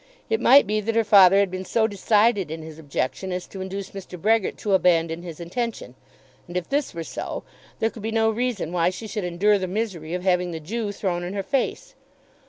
It might be that her father had been so decided in his objection as to induce Mr. Brehgert to abandon his intention, and if this were so, there could be no reason why she should endure the misery of having the Jew thrown in her face.